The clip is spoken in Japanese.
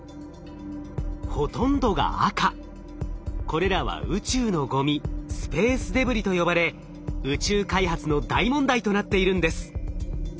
これらは宇宙のゴミスペースデブリと呼ばれ宇宙開発の大問題となっているんです。